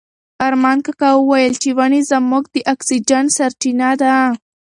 ارمان کاکا وویل چې ونې زموږ د اکسیجن سرچینه ده.